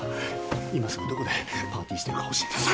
今すぐどこでパーティーしてるか教えなさい。